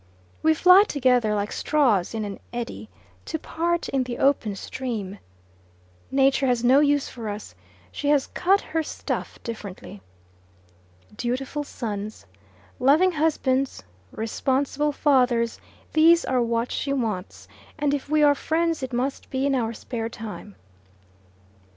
We fly together, like straws in an eddy, to part in the open stream. Nature has no use for us: she has cut her stuff differently. Dutiful sons, loving husbands, responsible fathers these are what she wants, and if we are friends it must be in our spare time.